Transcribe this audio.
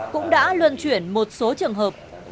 cũng đã luân chuyển một số trường hợp